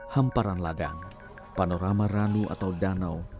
hamparan ladang panorama ranu atau danau